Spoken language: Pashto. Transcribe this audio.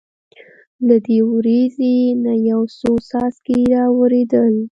له دې وریځې نه یو څو څاڅکي را وورېدل.